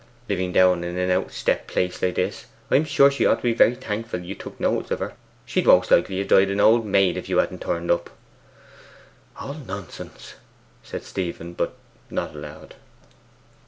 Living down in an out step place like this, I am sure she ought to be very thankful that you took notice of her. She'd most likely have died an old maid if you hadn't turned up.' 'All nonsense,' said Stephen, but not aloud.